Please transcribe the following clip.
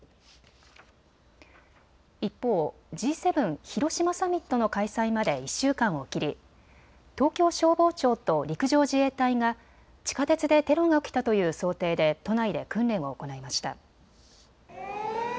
一方、Ｇ７広島サミットの開催まで１週間を切り東京消防庁と陸上自衛隊が地下鉄でテロが起きたという想定で都内で訓練を行いました。